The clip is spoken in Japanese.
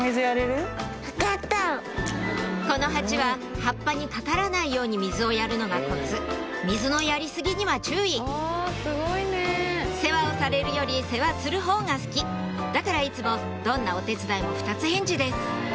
この鉢は葉っぱにかからないように水をやるのがコツ水のやり過ぎには注意世話をされるより世話するほうが好きだからいつもどんなお手伝いも二つ返事です